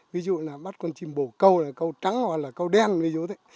ví dụ là bắt con chim bổ câu là câu trắng hoặc là câu đen ví dụ thế